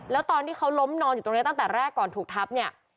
แล้วตอนที่เขาล้มนอนอยู่ตรงนี้ตั้งแต่แรกก่อนถูกทับเนี่ย